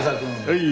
はい。